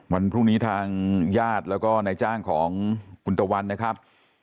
วันพรุ่งนี้ทางญาติแล้วก็นายจ้างของคุณตะวันนะครับ